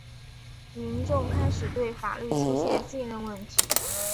民众开始对法律出现信任问题。